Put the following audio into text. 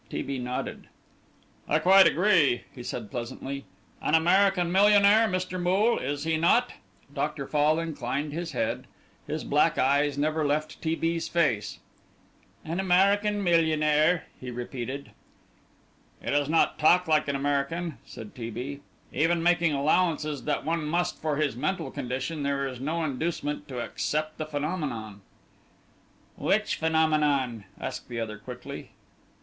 T. B. nodded. "I quite agree," he said, pleasantly. "An American millionaire Mr. Moole is he not?" Dr. Fall inclined his head. His black eyes never left T. B.'s face. "An American millionaire," he repeated. "He does not talk like an American," said T. B.; "even making allowances that one must for his mental condition, there is no inducement to accept the phenomenon." "Which phenomenon?" asked the other, quickly.